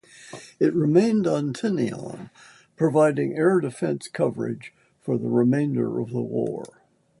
It remained on Tinian providing air defense coverage for the remainder of the war.